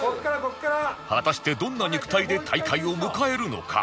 果たしてどんな肉体で大会を迎えるのか？